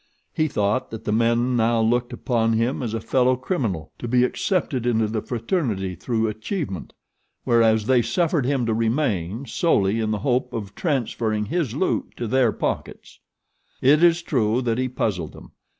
He thought that the men now looked upon him as a fellow criminal to be accepted into the fraternity through achievement; whereas they suffered him to remain solely in the hope of transferring his loot to their own pockets. It is true that he puzzled them.